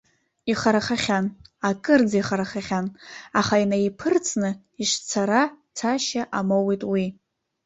Ихарахахьан, акырӡа ихарахахьан, аха инаиԥырҵны ишцара цашьа амоуит уи.